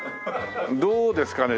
どうですかね？